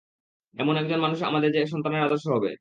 এমন একজন মানুষ যে আমাদের সন্তানের আদর্শ হবে।